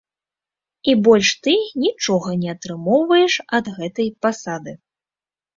І больш ты нічога не атрымоўваеш ад гэтай пасады.